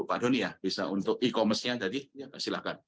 pak doni ya bisa untuk e commerce nya jadi silakan